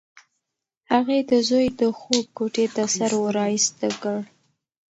هغې د زوی د خوب کوټې ته سر ورایسته کړ.